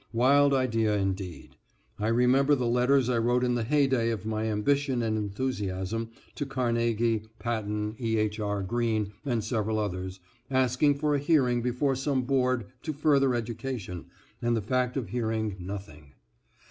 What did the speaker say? Wild idea, indeed. I remember the letters I wrote in the heyday of my ambition and enthusiasm, to Carnegie, Patten, E. H. R. Green, and several others, asking for a hearing before some board to further education and the fact of hearing nothing.